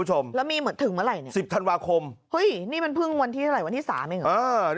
แห้ยี่นี่มันพึ่งวันที่ไหนวันที่๓มั้ยเหรอ